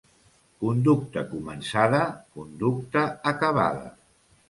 Conducta començada, conducta acabada.